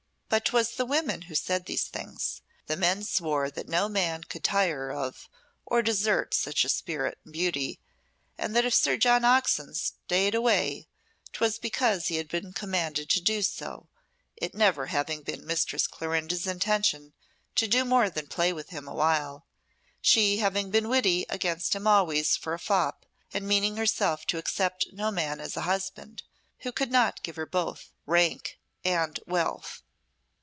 But 'twas the women who said these things; the men swore that no man could tire of or desert such spirit and beauty, and that if Sir John Oxon stayed away 'twas because he had been commanded to do so, it never having been Mistress Clorinda's intention to do more than play with him awhile, she having been witty against him always for a fop, and meaning herself to accept no man as a husband who could not give her both rank and wealth.